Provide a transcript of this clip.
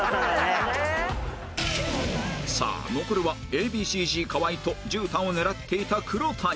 さあ残るは Ａ．Ｂ．Ｃ−Ｚ 河合と絨毯を狙っていた黒谷